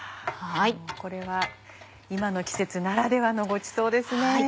これは今の季節ならではのごちそうですね。